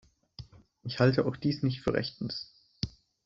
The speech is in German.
Ich halte auch dies nicht für rechtens.